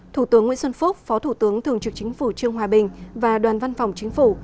thủ tướng nguyễn xuân phúc phó thủ tướng thường trực chính phủ trương hòa bình và đoàn văn phòng chính phủ